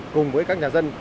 cùng với các nhà dân